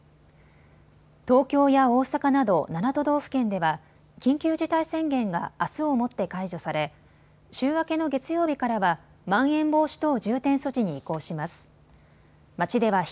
東京や大阪など７都道府県では緊急事態宣言があすをもって解除され週明けの月曜日からはまん延防止等重点措置に移行します。